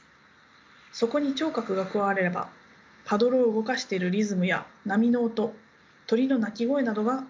そこに聴覚が加わればパドルを動かしているリズムや波の音鳥の鳴き声などが伝わります。